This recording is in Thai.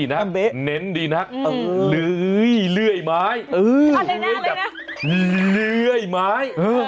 เน้นดีนักเรื่อยไม้